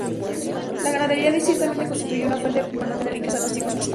La ganadería ciertamente constituyó una fuente importante de riqueza en los tiempos prehispánicos.